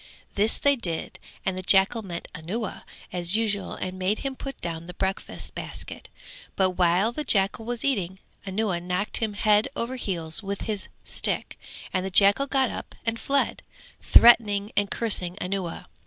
This they did and the jackal met Anuwa as usual and made him put down the breakfast basket, but while the jackal was eating, Anuwa knocked him head over heels with his stick; and the jackal got up and fled, threatening and cursing Anuwa.